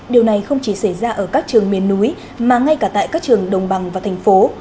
điều này không chỉ xảy ra ở các trường miền núi mà ngay cả tại các trường đồng bằng và thành phố